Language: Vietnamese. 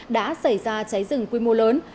đã xảy ra cháy rừng quy mô lớn